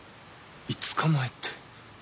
５日前って。